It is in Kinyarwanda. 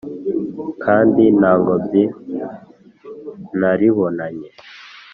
kandi nta ngobyi naribonanye